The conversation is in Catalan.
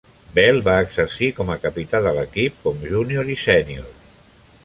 Bell va exercir com a capità de l'equip com júnior i sénior.